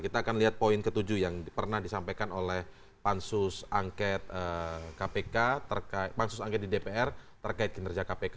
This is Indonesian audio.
kita akan lihat poin ke tujuh yang pernah disampaikan oleh pansus angket di dpr terkait kinerja kpk